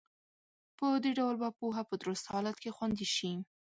په دې ډول به پوهه په درست حالت کې خوندي شي.